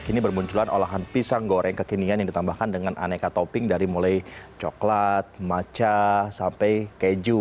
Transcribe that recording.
kini bermunculan olahan pisang goreng kekinian yang ditambahkan dengan aneka topping dari mulai coklat maca sampai keju